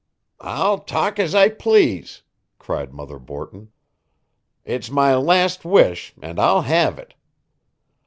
"I'll talk as I please," cried Mother Borton. "It's my last wish, and I'll have it.